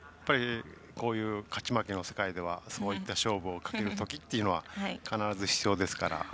こういう勝ち負けの世界ではそういった勝負をかけるときが必ず必要ですから。